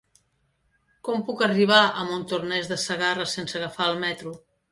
Com puc arribar a Montornès de Segarra sense agafar el metro?